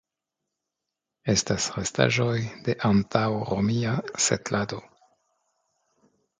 Estas restaĵoj de antaŭromia setlado.